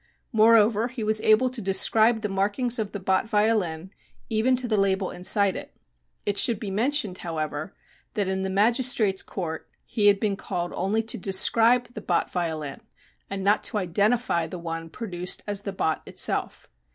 Moreover, he was able to describe the markings of the Bott violin even to the label inside it. It should be mentioned, however, that in the magistrate's court he had been called only to describe the Bott violin and not to identify the one produced as the Bott itself.